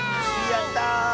やった！